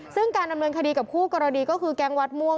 ซึ่งการดำเนินคดีกับคู่กรณีก็คือแก๊งวัดม่วง